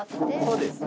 そうです。